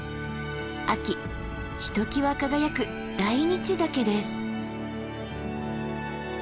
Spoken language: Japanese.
秋ひときわ輝く大日岳です。